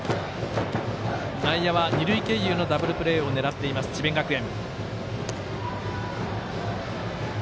内野は二塁経由のダブルプレーを狙っています、智弁学園。